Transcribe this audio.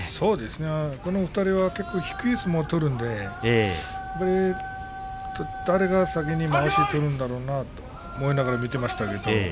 この２人は結構、低い相撲を取るんでどちらが先にまわしを取るんだろうなと思いながら見ていました。